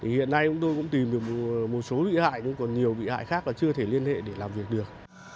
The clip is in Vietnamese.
hiện nay chúng tôi cũng tìm được một số bị hại nhưng còn nhiều bị hại khác là chưa thể liên hệ để làm việc được